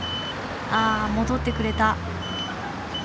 あ戻ってくれた。